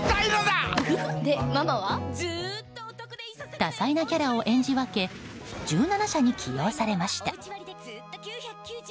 多彩なキャラを演じ分け１７社に起用されました。